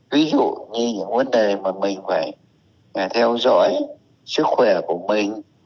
ví dụ như những vấn đề mà mình phải theo dõi sức khỏe của mình